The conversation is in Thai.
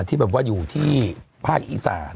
ที่แบบว่าอยู่ที่ภาคอีสาน